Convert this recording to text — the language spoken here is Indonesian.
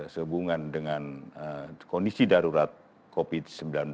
sehubungan dengan kondisi darurat covid sembilan belas